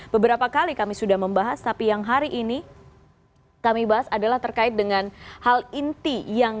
beberapa kali kami sudah membahas tapi yang hari ini kami bahas adalah terkait dengan hal inti